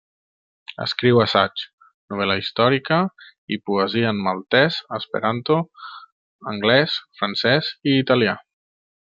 Escriu assaig, novel·la històrica i poesia en maltès, esperanto, anglès, francès i italià.